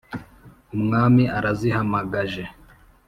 umwami arazihamagaje,